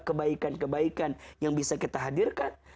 kebaikan kebaikan yang bisa kita hadirkan